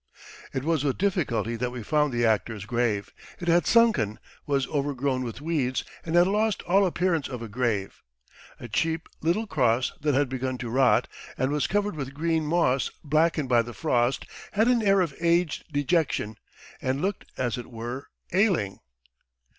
It was with difficulty that we found the actor's grave. It had sunken, was overgrown with weeds, and had lost all appearance of a grave. A cheap, little cross that had begun to rot, and was covered with green moss blackened by the frost, had an air of aged dejection and looked, as it were, ailing.